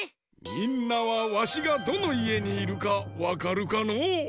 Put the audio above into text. みんなはわしがどのいえにいるかわかるかのう？